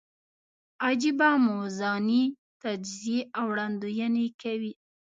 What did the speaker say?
عجېبه موازنې، تجزیې او وړاندوینې کوي.